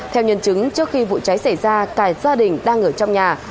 theo nhân chứng trước khi vụ cháy xảy ra cả gia đình đang ở trong nhà